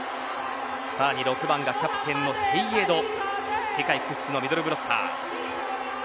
さらに６番がキャプテンのセイエド世界屈指のミドルブロッカー。